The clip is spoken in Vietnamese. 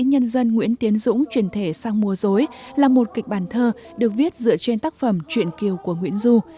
nhân dân nguyễn tiến dũng truyền thể sang mua dối là một kịch bản thơ được viết dựa trên tác phẩm chuyện kiều của nguyễn du